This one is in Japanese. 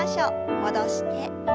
戻して。